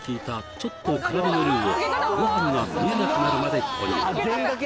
ちょっと辛めのルーをごはんが見えなくなるまで投入